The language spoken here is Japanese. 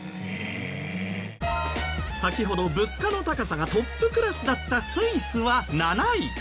先ほど物価の高さがトップクラスだったスイスは７位。